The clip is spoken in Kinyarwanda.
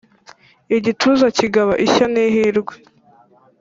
Igituza kigaba ishya n’ihirwe